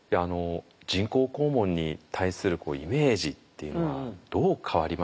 人工肛門に対するイメージっていうのはどう変わりましたか？